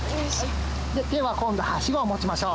手は今度はしごを持ちましょう。